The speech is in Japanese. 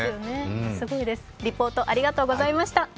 すごいです、リポートありがとうございました。